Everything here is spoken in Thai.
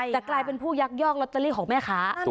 แต่กลายเป็นผู้ยักยอกลอตเตอรี่ของแม่ค้า